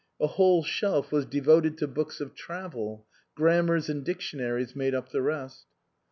A whole shelf was devoted to books of travel ; grammars and dictionaries made up the rest.